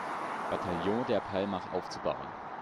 Bataillon der Palmach aufzubauen.